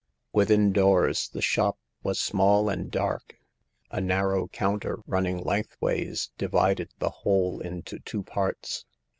Within doors the shop was small and dark, A narrow counter, running lengthways, divided the whole into two parts.